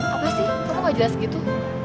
apa sih kenapa gak jelas gitu